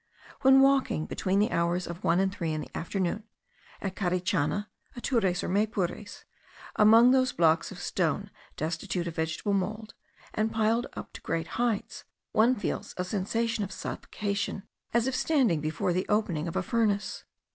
When walking between the hours of one and three in the afternoon, at Carichana, Atures, or Maypures, among those blocks of stone destitute of vegetable mould, and piled up to great heights, one feels a sensation of suffocation, as if standing before the opening of a furnace.